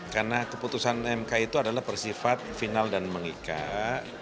karena keputusan mk itu adalah persifat final dan mengikat